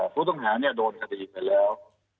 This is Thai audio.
ผู้ต้องหาโดนคดีไปแล้ว